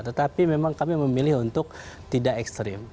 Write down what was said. tetapi memang kami memilih untuk tidak ekstrim